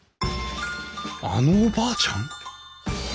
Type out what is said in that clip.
あのおばあちゃん！？